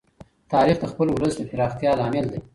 تاریخ د خپل ولس د پراختیا لامل دی.